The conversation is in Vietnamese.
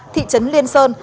thị trấn liên sơn